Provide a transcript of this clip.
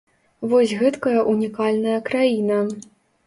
Вось гэткая ўнікальная краіна.